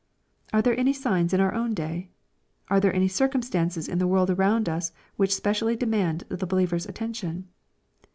Are there any sigxis in our own day ? Are there any circumstances in the world around us which specially de* mand the believer's attention